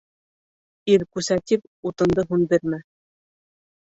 Ил күсә тип утынды һүндермә.